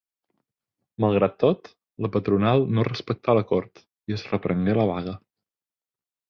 Malgrat tot, la patronal no respectà l'acord i es reprengué la vaga.